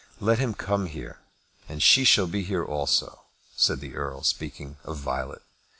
"Let him come here, and she shall be here also," said the Earl, speaking of Violet.